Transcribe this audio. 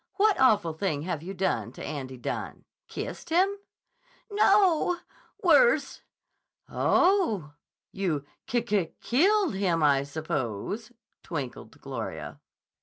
"What awful thing have you done to Andy Dunne? Kissed him?" "No! Worse." "Oh! You ki ki killed him, I suppose," twinkled Gloria.